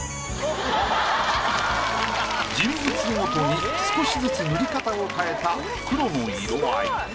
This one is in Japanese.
人物ごとに少しずつ塗り方を変えた黒の色合い。